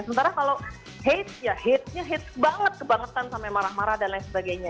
sementara kalau hate ya hatenya hate banget kebangetan sampai marah marah dan lain sebagainya